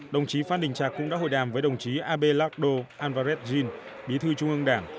đồng chí phan đình trạc cũng đã hội đàm với đồng chí abelardo alvarez gin bí thư trung ương đảng